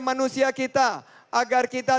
manusia kita agar kita